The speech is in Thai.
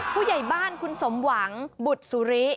ผู้ใหญ่บ้านคุณสมหวังบุตรสุริ